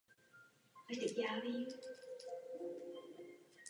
Dostala se na oběžnou dráhu Země.